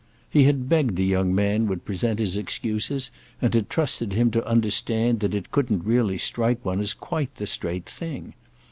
He had begged the young man would present his excuses and had trusted him to understand that it couldn't really strike one as quite the straight thing.